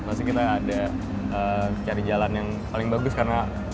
pasti kita ada cari jalan yang paling bagus karena